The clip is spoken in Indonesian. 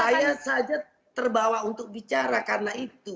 saya saja terbawa untuk bicara karena itu